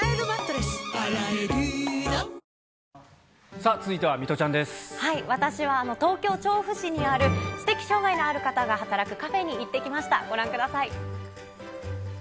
さあ、続いては水卜ちゃんで私は、東京・調布市にある知的障がいのある方が働くカフェに行ってきました、ご覧ください。